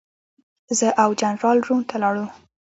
زه او جنرال روم ته ولاړو.